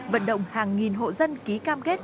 vận động hàng nghìn hộ dân ký cam kết